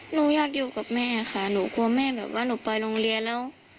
หนูอยากอยู่กับแม่ค่ะหนูกลัวแม่แบบว่าหนูไปโรงเรียนแล้ว